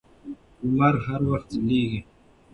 لمر هر وخت ځلېږي.